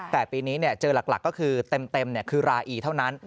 แต่ปีนี้เจอหลักก็คือเต็มคือราอีเท่านั้น